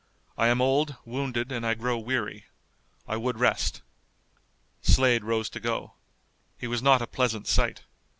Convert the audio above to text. I am old, wounded, and I grow weary. I would rest." Slade rose to go. He was not a pleasant sight.